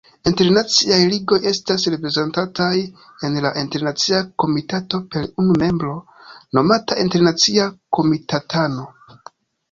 Internaciaj Ligoj estas reprezentataj en la Internacia Komitato per unu membro, nomata Internacia Komitatano.